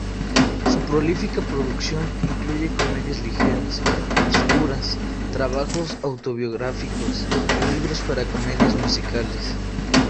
Su prolífica producción incluye comedias ligeras, obscuras, trabajos autobiográficos y libros para comedias musicales.